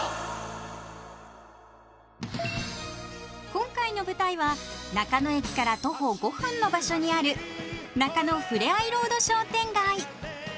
今回の舞台は中野駅から徒歩５分の場所にある中野ふれあいロード商店街。